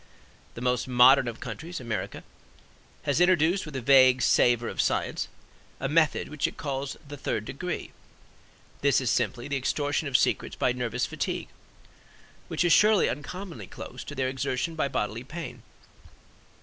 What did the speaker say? The most modern of countries, America, has introduced with a vague savor of science, a method which it calls "the third degree." This is simply the extortion of secrets by nervous fatigue; which is surely uncommonly close to their extortion by bodily pain.